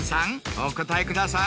お答えください。